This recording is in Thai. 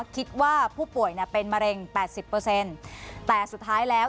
คิดว่าผู้ป่วยเนี่ยเป็นมะเร็ง๘๐แต่สุดท้ายแล้ว